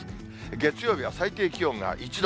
月曜日は最低気温が１度。